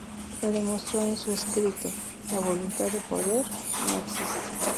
Lo demostró en su escrito: ""La voluntad de poder" no existe".